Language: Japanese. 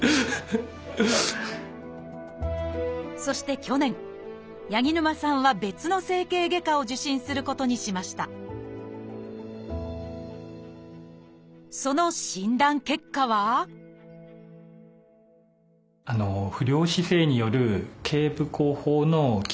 そして去年八木沼さんは別の整形外科を受診することにしましたその診断結果は不良姿勢による頚部後方の筋緊張